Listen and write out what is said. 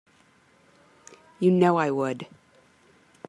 You know I would.